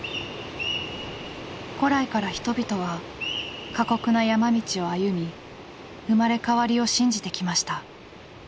古来から人々は過酷な山道を歩み生まれ変わりを信じてきました。